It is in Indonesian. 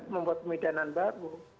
membuat pemidahan baru